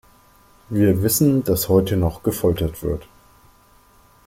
Wir wissen, dass heute noch gefoltert wird.